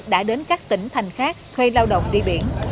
đã đến các tỉnh thành khác thuê lao động đi biển